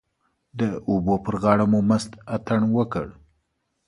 د اوبو پر غاړه مو مست اتڼ وکړ.